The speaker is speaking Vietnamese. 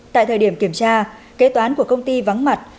tại thời điểm kiểm tra kế toán của công ty vắng mặt